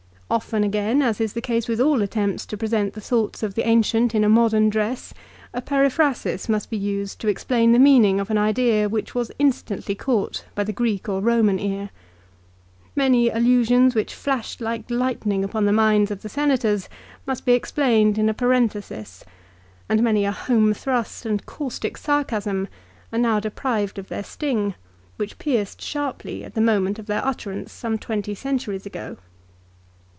Often again, as is the case with all attempts to present the thoughts of the ancient in a modern dress, a periphrasis must be used to explain the meaning of an idea which was instantly caught by the Greek or Eoman ear. Many allusions which flashed like lightning upon the minds of the Senators, must be explained in a parenthesis, and many a home thrust 1 Philip., xiv. 12. " fortuuata mors, quab naturae dcbitu, pro pallia cst potissimum reildita." THE PHILIPPICS. 2 73 and caustic sarcasm are now deprived of their sting, which pierced sharply at the moment of their utterance some twenty centuries ago.